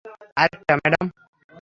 আরেকটা, ম্যাডাম?